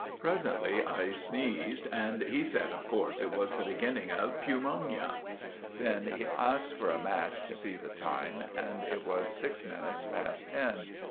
Presently I sneezed and he said of corse that it was the beginning of pewmonia. Then he asked for a match to see the time and it was six minutes past ten.